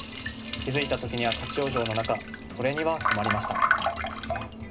気づいた時には立ち往生の中これには困りました。